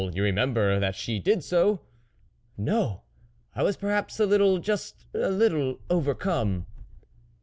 . You remember that she did so ?"" No ... I was perhaps a little just a little overcome."